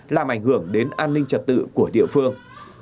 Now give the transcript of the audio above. làm ảnh hưởng đến an ninh trật tự của địa phương